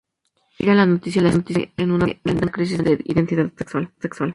A Elvira la noticia la sume en una tremenda crisis de identidad sexual.